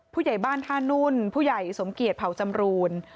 ผู้ใหญ่บ้านท่านุ่นผู้ใหญ่สมเกียจเผาจำรูน